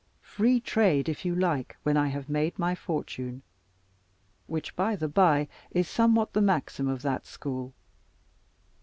Free trade, if you like, when I have made my fortune; which by the bye is somewhat the maxim of that school.